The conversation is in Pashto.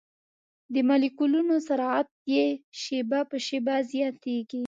د مالیکولونو سرعت یې شېبه په شېبه زیاتیږي.